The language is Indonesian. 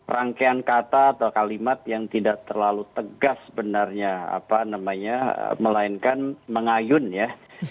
rangkaian kata atau kalimat yang tidak terlalu tegas sebenarnya apa namanya melainkan mengayun ya